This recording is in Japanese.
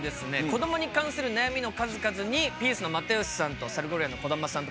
子どもに関する悩みの数々にピースの又吉さんとサルゴリラの児玉さん